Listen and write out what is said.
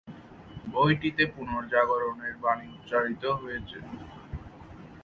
বইটিতে পুনর্জাগরণের বাণী উচ্চারিত হয়েছে।